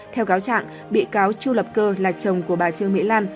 theo cáo trạng bị cáo chu lập cơ là chồng của bà trương mỹ lan